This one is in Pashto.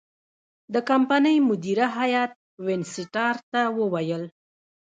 د کمپنۍ مدیره هیات وینسیټارټ ته وویل.